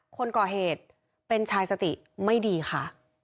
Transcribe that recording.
คนก่อเหตุเป็นชายสติไม่ดีค่ะ